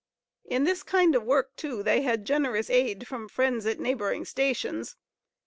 In this kind of work, too, they had generous aid from friends at neighboring stations.